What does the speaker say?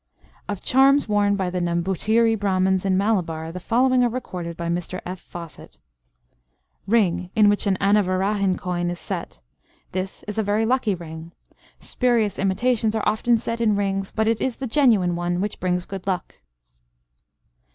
Of charms worn by the Nambutiri Brahmans in Malabar, the following are recorded by Mr F. Fawcett : Ring, in which an anavarahan coin is set. This is a very lucky ring. Spurious imitations are often set in rings, but it is the genuine one which brings good luck.